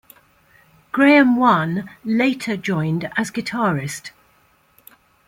Graham Wann later joined as guitarist.